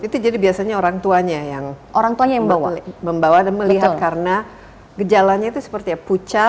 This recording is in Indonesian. itu jadi biasanya orang tuanya yang membawa dan melihat karena gejalanya itu seperti ya pucat